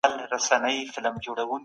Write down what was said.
د کار کیفیت د ذهن د آرامتیا سره تړاو لري.